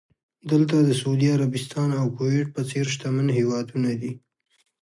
دلته د سعودي عربستان او کوېټ په څېر شتمن هېوادونه دي.